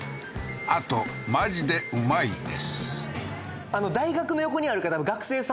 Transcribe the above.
あとマジでうまいですああー